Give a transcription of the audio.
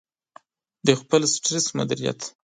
-د خپل سټرس مدیریت